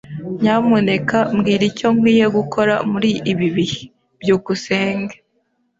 Nyamuneka mbwira icyo nkwiye gukora muri ibi bihe. byukusenge